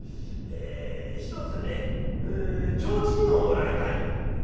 「えひとつね提灯をもらいたい」。